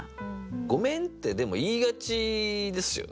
「ごめん」ってでも言いがちですよね。